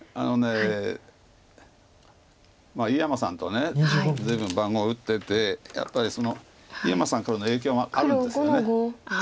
井山さんと随分番碁を打っててやっぱり井山さんからの影響もあるんですよね。